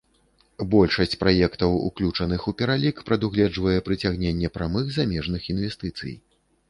Большасць праектаў, уключаных у пералік, прадугледжвае прыцягненне прамых замежных інвестыцый.